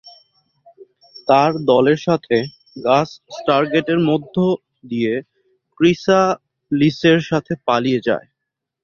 তার দলের সাথে, গাস স্টারগেটের মধ্য দিয়ে ক্রিসালিসের সাথে পালিয়ে যায়।